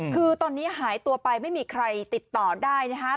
คือตอนนี้หายตัวไปไม่มีใครติดต่อได้นะครับ